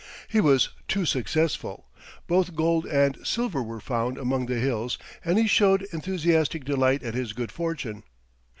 He was too successful. Both gold and silver were found among the hills and he showed enthusiastic delight at his good fortune.